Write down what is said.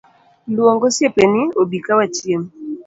Luong osiepeni obika wachiem.